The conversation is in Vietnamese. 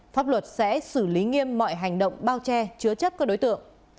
pháp luật sẽ xử lý nghiêm mọi hành động bao che chứa chấp các đối tượng